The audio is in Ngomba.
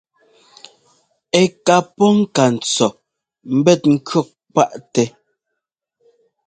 Ɛ́ ká pɔ́ ŋka ntsɔ ḿbɛt ŋkʉ̈ɔk paʼtɛ.